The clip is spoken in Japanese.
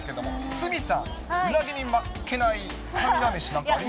鷲見さん、うなぎに負けないスタミナ飯なんてあります？